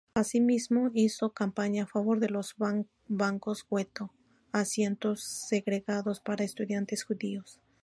Asimismo, hizo campaña a favor de los bancos gueto, asientos segregados para estudiantes judíos.